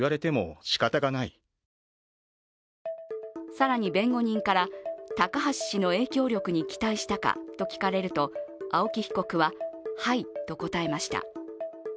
更に弁護人から、高橋氏の影響力に期待したかと聞かれると青木被告ははいと答えました。